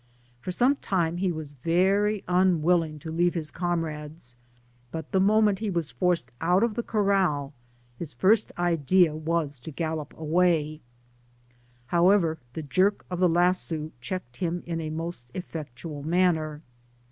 For some time he was very unwilling to leave his comrades, but the moment he was forced out of the corr^, his jSrst idea was to gallop away; however, the jerk of the lasso checked him in a most effectual manner.